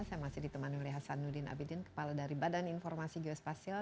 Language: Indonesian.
saya masih ditemani oleh hasanuddin abidin kepala dari badan informasi geospasial